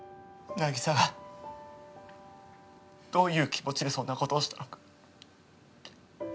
凪沙がどういう気持ちでそんなことをしたのか。